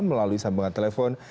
melalui sambungan telepon